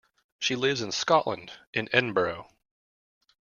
She lives in Scotland, in Edinburgh